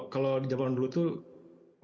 kalau di zaman dulu tuh